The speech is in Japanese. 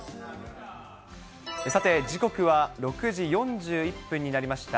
さて、時刻は６時４１分になりました。